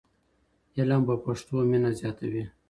علم په پښتو مینه زیاتوي.